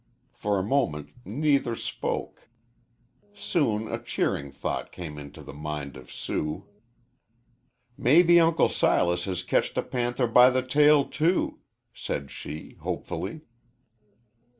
For a moment neither spoke. Soon a cheering thought came into the mind of Sue. "Maybe Uncle Silas has ketched a panther by the tail, too," said she, hopefully.